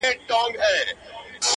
او ځای بندیوان یې ګرځوي